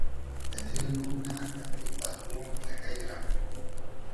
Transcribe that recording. دۂ دیل بومنۂ امی ارمۉ تئکݷ رۂ